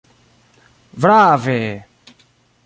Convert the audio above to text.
Brave!